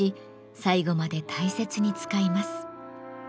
最後まで大切に使います。